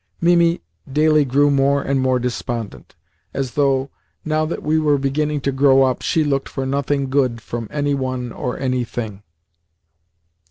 Mimi daily grew more and more despondent, as though, now that we were beginning to grow up, she looked for nothing good from any one or anything.